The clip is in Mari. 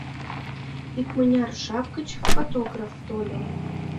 Икмыняр жап гыч фотограф тольо.